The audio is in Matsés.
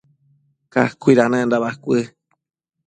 cacuidanenda bacuë